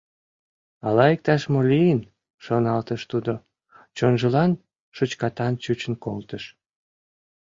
Ала иктаж-мо лийын?» — шоналтыш тудо, чонжылан шучкатан чучын колтыш.